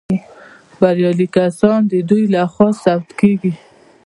بریالي کسان د دوی لخوا ثبت کیږي.